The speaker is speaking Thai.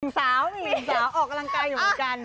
มีสาวมีสาวออกกำลังกายอยู่ด้วยกัน